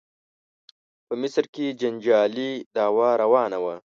په مصر کې جنجالي دعوا روانه وه.